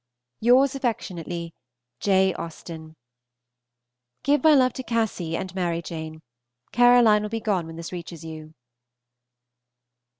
Yours affectionately, J. AUSTEN. Give my love to Cassy and Mary Jane. Caroline will be gone when this reaches you.